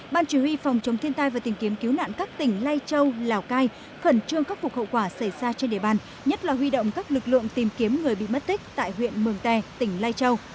ban chỉ huy phòng chống thiên tai và tìm kiếm cứu nạn các tỉnh lai châu lào cai khẩn trương khắc phục hậu quả xảy ra trên địa bàn nhất là huy động các lực lượng tìm kiếm người bị mất tích tại huyện mường tè tỉnh lai châu